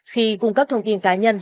khi cung cấp thông tin cá nhân